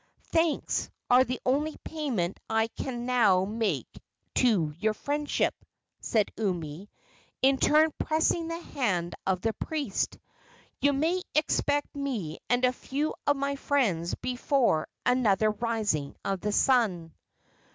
"Thanks are the only payment I can now make to your friendship," said Umi, in turn pressing the hand of the priest. "You may expect me and a few of my friends before another rising of the sun."